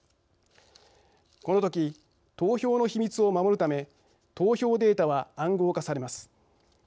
このとき投票の秘密を守るため投票データは暗号化されます。